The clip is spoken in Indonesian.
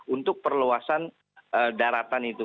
untuk perluasan daratan itu